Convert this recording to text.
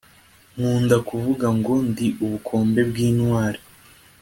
Nkunda kuvuga ngo Ndi ubukombe bw’intwari